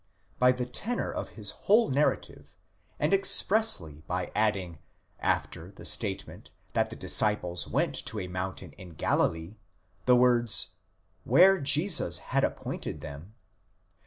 17 By the tenor of his whole narrative, and expressly by adding, after the statement that the disciples went to a mountain in Galilee, the words: where Jesus had appointed them, οὗ ἐτάξατο αὐτοῖς ὃ Ἶ.